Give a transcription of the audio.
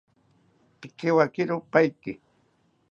Pikiwakiro paiki